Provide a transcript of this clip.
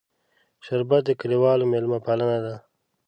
شربت د کلیوالو میلمهپالنه ده